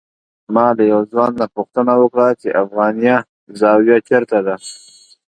ما له یو ځوان نه پوښتنه وکړه چې افغانیه زاویه چېرته ده.